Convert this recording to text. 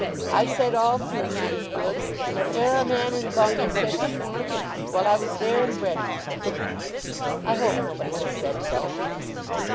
I've said all through she was good, and if e'er a man in Bungay said she warn't ; well, I was there, and ready." "I hope nobody has said so."